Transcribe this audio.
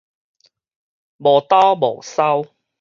無兜無梢